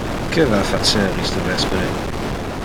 Que va facer iste vespere?